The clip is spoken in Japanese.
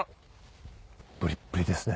ブリッブリですね